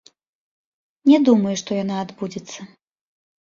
Не думаю, што яна адбудзецца.